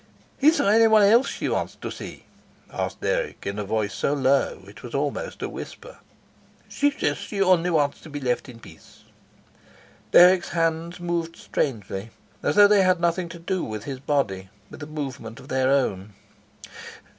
"Is there anyone else she wants to see?" asked Dirk, in a voice so low it was almost a whisper. "She says she only wants to be left in peace." Dirk's hands moved strangely, as though they had nothing to do with his body, with a movement of their own.